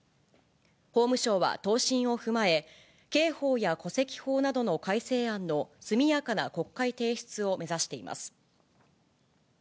法務省は答申を踏まえ、刑法や戸籍法などの改正案の速やかな国会提出を目指しています。